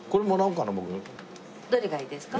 どれがいいですか？